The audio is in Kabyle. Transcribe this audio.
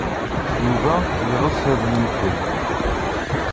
Yuba yeɣs ad yenfel.